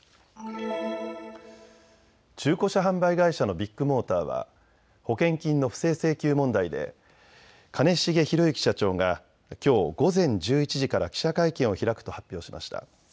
中古車販売会社のビッグモーターは保険金の不正請求問題で兼重宏行社長がきょう午前１１時から記者会見を開くと発表しました。